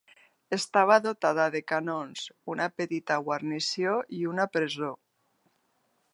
Estava dotada de canons, una petita guarnició i una presó.